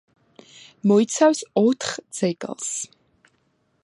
მოიცავს ოთხ ძეგლს.